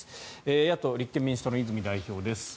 野党・立憲民主党の泉代表です。